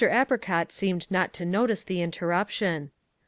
Apricot seemed not to notice the interruption.